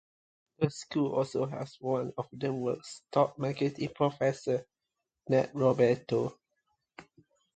The school also has one of the world's top marketing professors, Ned Roberto.